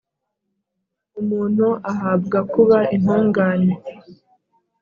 umuntu ahabwa kuba intungane